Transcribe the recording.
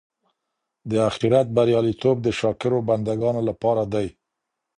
د اخیرت بریالیتوب د شاکرو بندګانو لپاره دی.